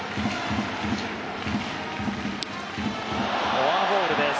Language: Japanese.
フォアボールです。